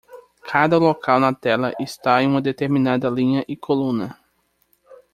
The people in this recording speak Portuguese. Cada local na tela está em uma determinada linha e coluna.